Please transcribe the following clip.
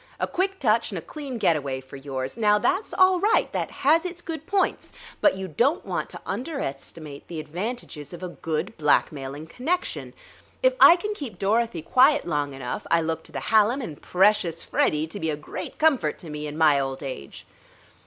A quick touch and a clean getaway for yours. Now, that's all right; that has its good points, but you don't want to underestimate the advantages of a good blackmailing connection.... If I can keep Dorothy quiet long enough, I look to the Hallam and precious Freddie to be a great comfort to me in my old age."